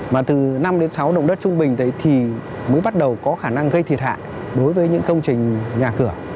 mà từ năm đến sáu động đất trung bình đấy thì mới bắt đầu có khả năng gây thiệt hại đối với những công trình nhà cửa